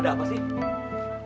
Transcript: ada apa sih